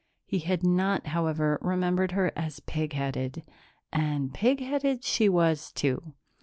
He had not, however, remembered her as pig headed and pig headed she was, too.